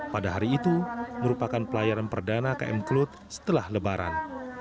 pada hari itu merupakan pelayaran perdana km kelut setelah lebaran